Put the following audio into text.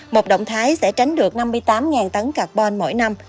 một động thái sẽ tránh được năm mươi tám tấn carbon mỗi năm